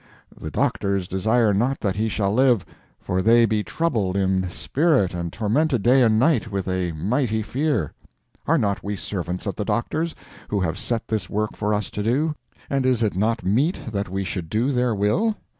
the doctors desire not that he shall live, for they be troubled in spirit and tormented day and night with a mighty fear. Are not we servants of the doctors, who have set this work for us to do, and is it not meet that we should do their will?